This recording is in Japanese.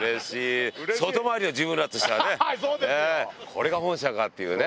これが本社かっていうね。